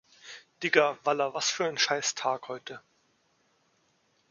Digga wallah was für ein scheiß Tag heute.